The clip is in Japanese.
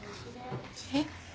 えっ？